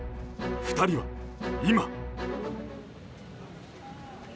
２人は今。